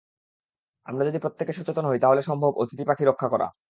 আমরা যদি প্রত্যেকে সচেতন হই, তাহলে সম্ভব অতিথি পাখি রক্ষা করা।